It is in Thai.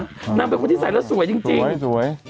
นางเป็นคนที่ใส่แล้วสวยจริงสวย